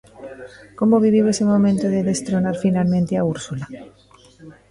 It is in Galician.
Como viviu ese momento de destronar finalmente a Úrsula?